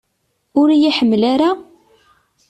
Ur iyi-iḥemmel ara?